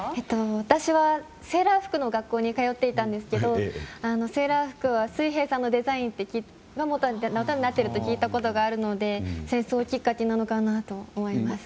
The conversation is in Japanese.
私はセーラー服の学校に通っていたんですけどセーラ服は水兵さんのデザインがもとになっていると聞いたことがあるので戦争がきっかけなのかなと思います。